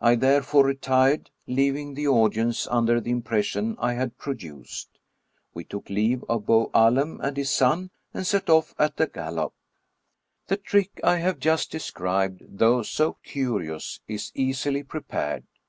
I therefore retired, leaving the audience under the impression I had produced. We took leave of Bou Allem and his son, and set off at a gallop. The trick I have just described, though so curious, is easily prepared.